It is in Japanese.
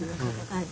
はい。